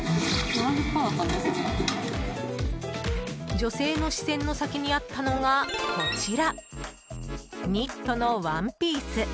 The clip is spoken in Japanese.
女性の視線の先にあったのがこちら、ニットのワンピース。